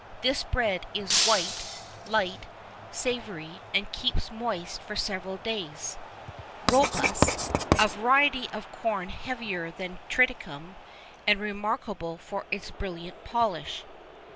This bread is white, light, savoury, and keeps moist for several days. PARMENTIER. Robus, a variety of corn heavier than triticum, and remarkable for its brilliant polish.